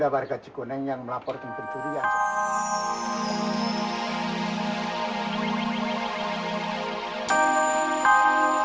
belum pernah ada barikat cikuneng yang melaporkan pencurian